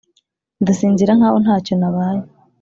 ndasinzira nkaho ntacyo nabaye.